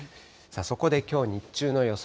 そこできょう日中の予想